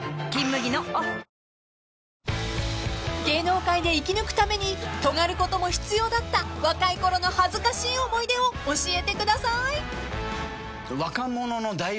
［芸能界で生き抜くためにとがることも必要だった若いころの恥ずかしい思い出を教えてください］